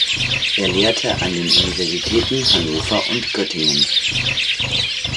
Er lehrte an den Universitäten Hannover und Göttingen.